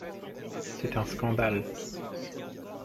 C’est un scandale